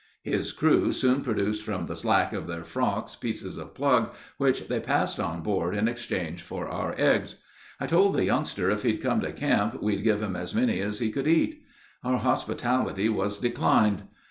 His crew soon produced from the slack of their frocks pieces of plug, which they passed on board in exchange for our eggs. I told the youngster if he'd come to camp we'd give him as many as he could eat. Our hospitality was declined.